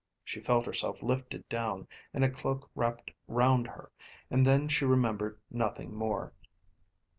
She felt herself lifted down and a cloak wrapped round her, and then she remembered nothing more.